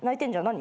何？